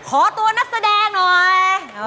ขอตัวนักแสดงหน่อย